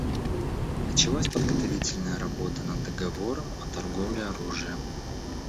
Началась подготовительная работа над договором о торговле оружием.